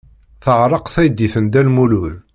Teɛreq teydit n Dda Lmulud.